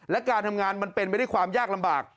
และการทำงานมันเป็นไปด้วยความยากลำบาก